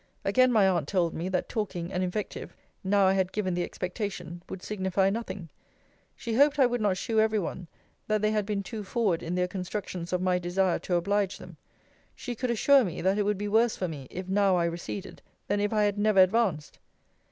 Again my aunt told me, that talking and invective, now I had given the expectation, would signify nothing. She hoped I would not shew every one, that they had been too forward in their constructions of my desire to oblige them. She could assure me, that it would be worse for me, if now I receded, than if I had never advanced.